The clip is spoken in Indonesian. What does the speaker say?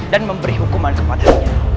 dan memberi hukuman kepadanya